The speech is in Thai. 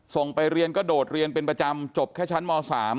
ส่งไปเรียนก็โดดเรียนเป็นประจำจบแค่ชั้นม๓